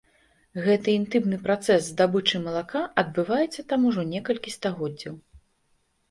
Гэты інтымны працэс здабычы малака адбываецца там ужо некалькі стагоддзяў.